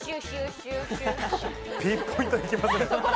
ピンポイントに行きますね。